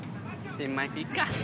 ピンマイクいっか。